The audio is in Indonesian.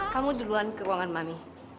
kamu duluan ke ruangan mami